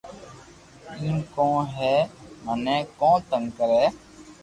ايم ڪون ھي مني ڪون تنگ ڪري